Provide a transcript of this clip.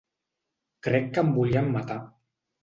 Crec que em volien matar.